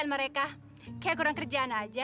mereka kayak kurang kerjaan aja